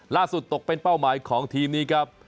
ตกเป็นเป้าหมายของทีมนี้ครับ